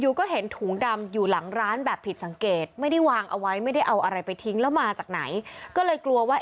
ก็เห็นถุงดำอยู่หลังร้านแบบผิดสังเกตไม่ได้วางเอาไว้ไม่ได้เอาอะไรไปทิ้งแล้วมาจากไหนก็เลยกลัวว่า